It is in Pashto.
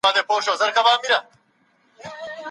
شریعت د انسان د ژوند ساتنه فرض کړي ده.